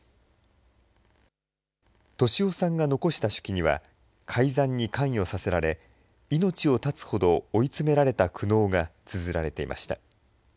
俊夫さんが残した手記には、改ざんに関与させられ、命を絶つほど追い詰められた苦悩がつづられていました。